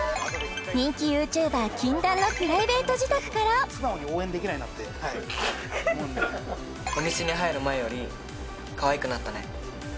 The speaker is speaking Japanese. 人気ＹｏｕＴｕｂｅｒ禁断のプライベート自宅からお店に入る前よりかわいくなったね